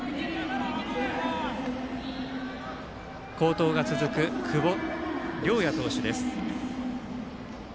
好投が続く久保綾哉投手です。